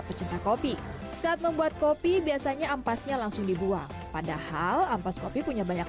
pecinta kopi saat membuat kopi biasanya ampasnya langsung dibuang padahal ampas kopi punya banyak